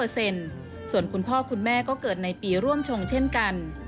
ส่วนคุณพ่อคุณแม่ก็เกิดในปีร่วมชงเช่นกัน